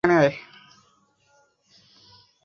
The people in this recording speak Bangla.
আরে এখানে আয়।